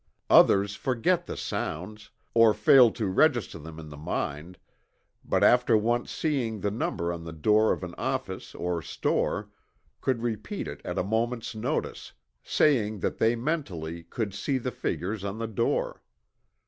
Others forget the sounds, or failed to register them in the mind, but after once seeing the number on the door of an office or store, could repeat it at a moments notice, saying that they mentally "could see the figures on the door."